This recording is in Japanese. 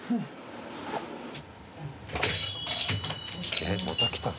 えまた来たぞ。